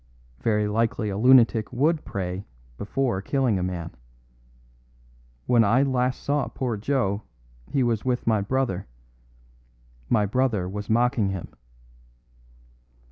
Very likely a lunatic would pray before killing a man. When I last saw poor Joe he was with my brother. My brother was mocking him."